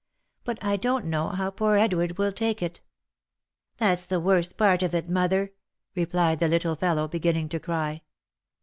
But I don't know how poor Edward will take it." " That's the worst part of it, mother," replied the little fellow, be ginning to cry.